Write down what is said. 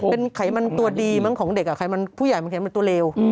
เป็นไขมันตัวดีของเด็กไขมันผู้ใหญ่เป็นไอ้ตัวเร็ว